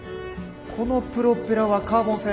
このプロペラはカーボン製？